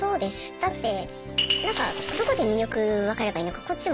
だってどこで魅力分かればいいのかこっちも。